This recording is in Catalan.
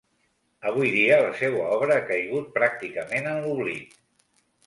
Avui dia la seua obra ha caigut pràcticament en l'oblit.